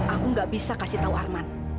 aku gak bisa kasih tahu arman